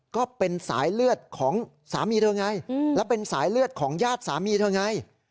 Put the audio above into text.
ก็เป็นสายเลือดของสามีเธอไงแล้วเป็นสายเลือดของญาติสามีเธอไง